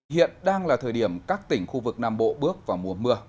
hiện đang là thời điểm các tỉnh khu vực nam bộ bước vào mùa mưa